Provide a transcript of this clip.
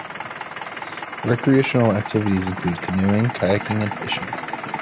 Recreational activities include canoeing, kayaking, and fishing.